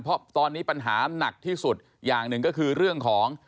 เพราะตอนนี้ปัญหาหนักที่สุดอย่างหนึ่งก็คือเรื่องของ